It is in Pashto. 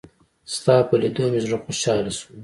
ستا په لېدو مې زړه خوشحاله شو.